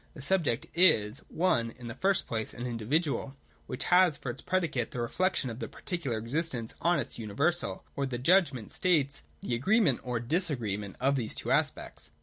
The subject is, (i) in the first place, an individual, which has for its predicate the reflection of the particular existence on its universal ; or the judgment states the agreement or disagreement of these two aspects.